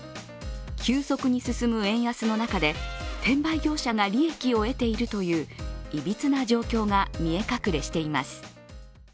急速に進む円安の中で転売業者が利益を得ているといういびつな状況が見え隠れしています。